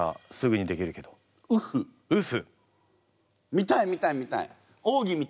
見たい見たい見たい。